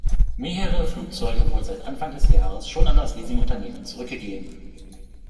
Mehrere Flugzeuge wurden seit Anfang des Jahres schon an das Leasingunternehmen zurückgegeben.